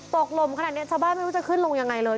ลมขนาดนี้ชาวบ้านไม่รู้จะขึ้นลงยังไงเลย